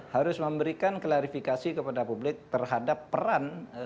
harus memberikan klarifikasi kepada publik terhadap peran